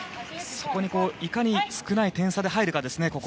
そこに、いかに少ない点差で入るかですね。